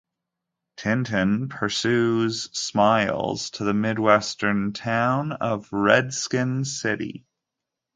Tintin pursues Smiles to the Midwestern town of Redskin City.